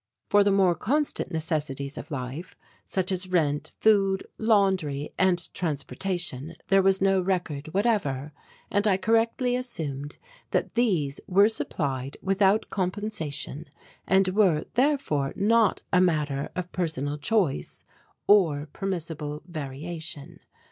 For the more constant necessities of life, such as rent, food, laundry and transportation, there was no record whatever; and I correctly assumed that these were supplied without compensation and were therefore not a matter of personal choice or permissible variation.